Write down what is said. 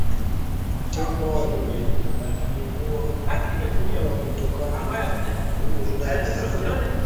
tembo walipungua kutokana na uwindaji haramu